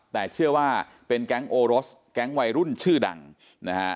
แต่เชื่อว่าเป็นแก๊งโอรสแก๊งวัยรุ่นชื่อดังนะฮะ